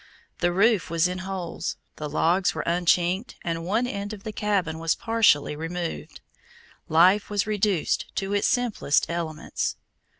The roof was in holes, the logs were unchinked, and one end of the cabin was partially removed! Life was reduced to its simplest elements.